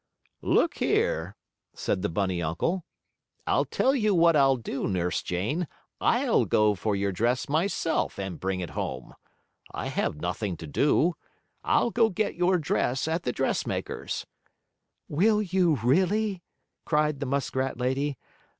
"Look here!" said the bunny uncle, "I'll tell you what I'll do, Nurse Jane, I'll go for your dress myself and bring it home. I have nothing to do. I'll go get your dress at the dressmaker's." "Will you, really?" cried the muskrat lady.